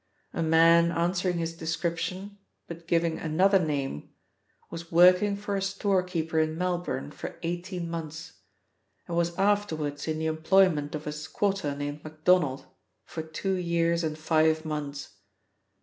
A man answering his description, but giving another name, was working for a storekeeper in Melbourne for eighteen months, and was afterwards in the employment of a squatter named Macdonald for two years and five months.